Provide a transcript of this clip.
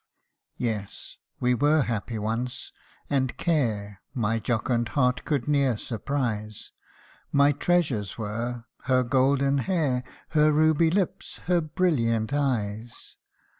YES, we were happy once, and care My jocund heart could ne'er surprise ; My treasures were, her golden hair, Her ruby lips, her brilliant eyes.